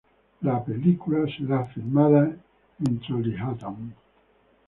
La película será filmada en Trollhättan.